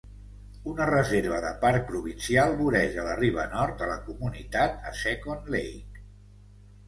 Una reserva de parc provincial voreja la riba nord de la comunitat a Second Lake.